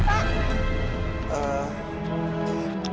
ada apa pak